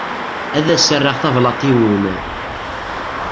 Ad as-rreɣ tablaḍt i wul.